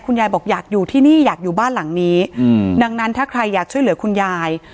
ยายบอกอยากอยู่ที่นี่อยากอยู่บ้านหลังนี้ดังนั้นถ้าใครอยากช่วยเหลือคุณยาย